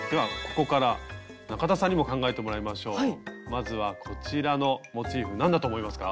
まずはこちらのモチーフ何だと思いますか？